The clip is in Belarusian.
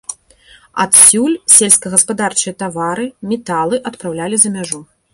Адсюль сельскагаспадарчыя тавары, металы адпраўлялі за мяжу.